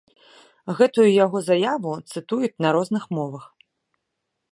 Гэтую яго заяву цытуюць на розных мовах.